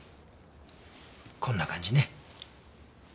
こんな感じね。